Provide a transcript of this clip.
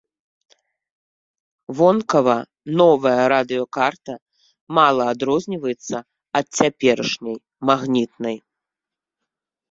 Вонкава новая радыёкарта мала адрозніваецца ад цяперашняй магнітнай.